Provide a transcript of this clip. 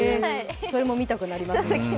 それも見たくなりますね。